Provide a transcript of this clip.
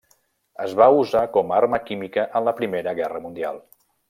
Es va usar com a arma química en la Primera Guerra Mundial.